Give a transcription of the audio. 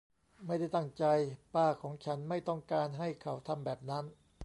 ไม่ได้ตั้งใจ ป้าของฉันไม่ต้องการให้เขาทำแบบนั้น